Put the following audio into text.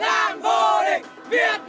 việt nam vô địch việt nam vô địch